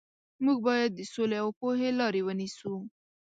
موږ باید د سولې او پوهې لارې ونیسو.